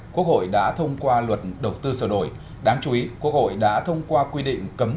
quốc hội đã thông qua luật đầu tư sở đổi đáng chú ý quốc hội đã thông qua quy định cấm